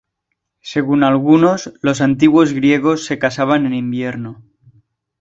Según algunos, los antiguos griegos se casaban en invierno.